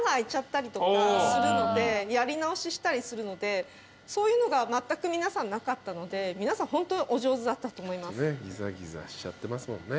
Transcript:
やり直ししたりするのでそういうのがまったく皆さんなかったので皆さんホントお上手だったと思います。